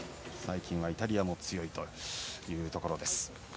最近はイタリアも強いというところです。